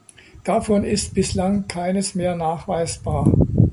Davon ist bislang keines mehr nachweisbar.